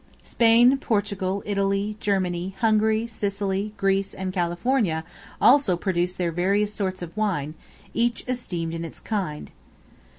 Spain, Portugal, Italy, Germany, Hungary, Sicily, Greece, and California, also produce their various sorts of wine, each esteemed in its kind.